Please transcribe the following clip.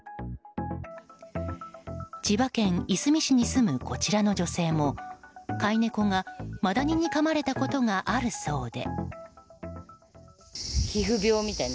千葉県いすみ市に住むこちらの女性も飼い猫がマダニにかまれたことがあるそうで。